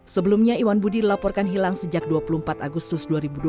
sebelumnya iwan budi dilaporkan hilang sejak dua puluh empat agustus dua ribu dua puluh